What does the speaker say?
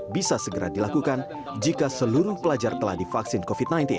bisa segera dilakukan jika seluruh pelajar telah divaksin covid sembilan belas